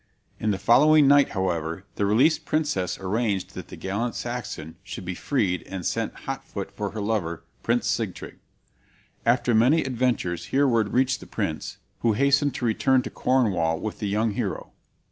In the following night, however, the released princess arranged that the gallant Saxon should be freed and sent hot foot for her lover, Prince Sigtryg. After many adventures Hereward reached the prince, who hastened to return to Cornwall with the young hero.